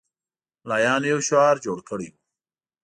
ملایانو یو شعار جوړ کړی وو.